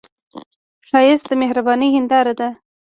ښایست د مهرباني هنداره ده